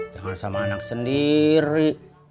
jangan sama anak sendiri